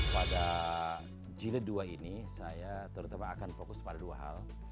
pada jilid dua ini saya terutama akan fokus pada dua hal